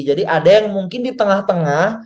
jadi ada yang mungkin di tengah tengah